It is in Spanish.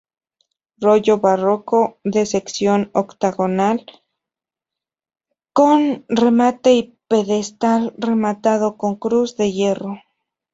Rollo, barroco, de sección octogonal con remate y pedestal, rematado con cruz de hierro.